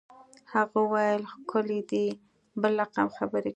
هغه ویل ښکلی دی بل رقم خبرې کوي